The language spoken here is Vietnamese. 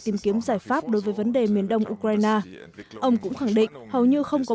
tìm kiếm giải pháp đối với vấn đề miền đông ukraine ông cũng khẳng định hầu như không có